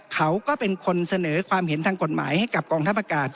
เขาก็เป็นคนเสนอความเห็นทางกฎหมายให้กับกองทัพอากาศ